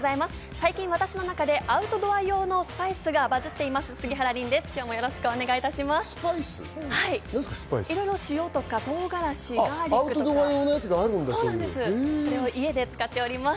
最近私の中でアウトドア用のスパイスがバズっています。